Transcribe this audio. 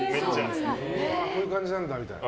こういう感じなんだ、みたいな。